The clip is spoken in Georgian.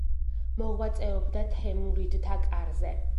მოღვაწეობდა თემურიდთა კარზე.